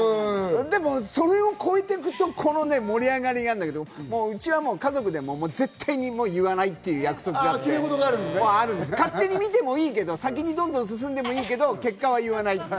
でも、それを超えてくと盛り上がりがあるんだけど、うちは家族で絶対に言わないっていう約束があって勝手に見てもいいけど、先にどんどん進んでもいいけど結果は言わない。